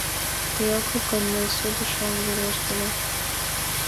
Тый огыл гын, мый судыш ом верешт ыле.